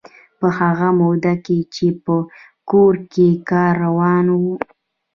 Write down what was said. په هغه موده کې چې په کور کې کار روان و.